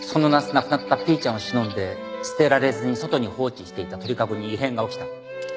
亡くなったぴーちゃんをしのんで捨てられずに外に放置していた鳥かごに異変が起きた。